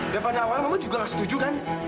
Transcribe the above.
dari awal mama juga gak setuju kan